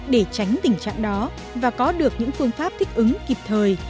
để tránh tình trạng đó và có được những phương pháp thích ứng kịp thời